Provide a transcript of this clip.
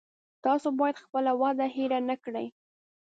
تاسو باید خپله وعده هیره نه کړی